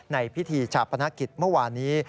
ในพิธีชาปนกิจเมื่อวานนี้